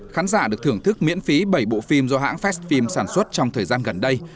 khán giả được thưởng thức miễn phí bảy bộ phim do hãng fast film sản xuất trong thời gian gần đây